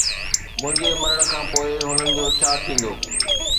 منهنجي مرڻ کان پوءِ هنن جو ڇا ٿيندو؟